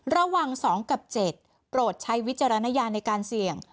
ระหว่าง๒กับ๗โปรดใช้วิจารณญาณในการเสี่ยง